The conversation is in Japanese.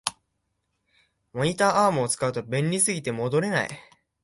モニターアームを使うと便利すぎて戻れない